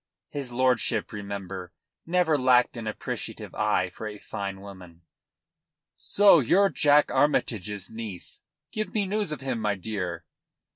His lordship, remember, never lacked an appreciative eye for a fine woman. "So you're Jack Armytage's niece. Give me news of him, my dear."